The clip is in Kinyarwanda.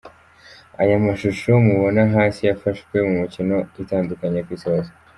Aya mashusho mubona hasi yafashwe mu mikino itandukanye ku isi hose.